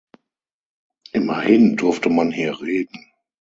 Immerhin durfte man hier reden.